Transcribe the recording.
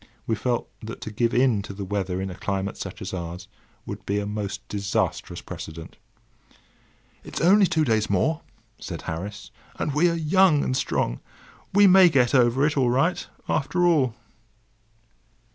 We felt that to give in to the weather in a climate such as ours would be a most disastrous precedent. "It's only two days more," said Harris, "and we are young and strong. We may get over it all right, after all."